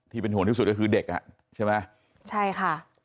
ที่เป็นห่วงที่สุดก็คือเด็ก